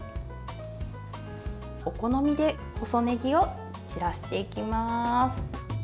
お好みで細ねぎを散らしていきます。